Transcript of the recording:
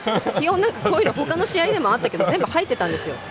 他の試合でもあったんだけど全部入ってたんですよ。